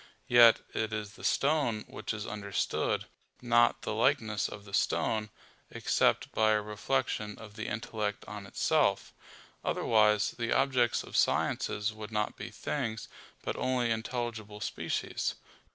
Yet it is the stone which is understood, not the likeness of the stone; except by a reflection of the intellect on itself: otherwise, the objects of sciences would not be things, but only intelligible species.